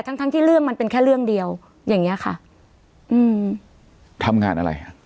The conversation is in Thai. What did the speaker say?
ทั้งทั้งที่เรื่องมันเป็นแค่เรื่องเดียวอย่างเงี้ยค่ะอืมทำงานอะไรอ่ะ